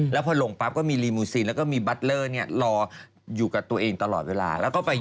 แล้วพอลงปั๊บก็มีรีมูซีนแล้วก็มีบัตเลอร์เนี่ยรออยู่กับตัวเองตลอดเวลาแล้วก็ไป